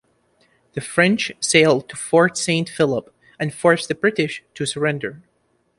The French sailed to Fort Saint Philip and forced the British to surrender.